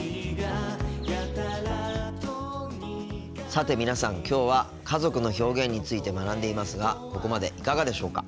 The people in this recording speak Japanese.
さて皆さんきょうは家族の表現について学んでいますがここまでいかがでしょうか。